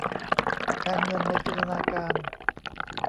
การเงินในจินตนาการ